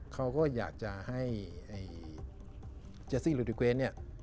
เขาก็อยากจะให้เจสซี่ลูดีเกรท